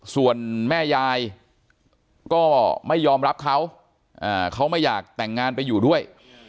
ส่วนแม่ยายก็ไม่ยอมรับเขาเขาไม่อยากแต่งงานไปอยู่ด้วย